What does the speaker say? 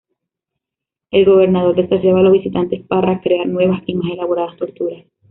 El gobernador desafiaba a los visitantes parra crear nuevas y más elaboradas torturas.